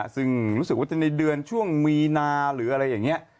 ซึ่งรู้สึกว่าในเดือนช่วงมีนาหรืออะไรอย่างนี้